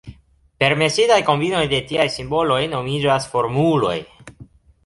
Permesitaj kombinoj de tiaj simboloj nomiĝas formuloj.